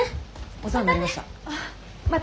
お世話になりました。